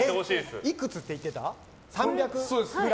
いくつって言ってた？